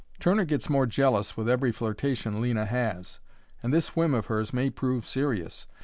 "Turner gets more jealous with every flirtation Lena has, and this whim of hers may prove serious.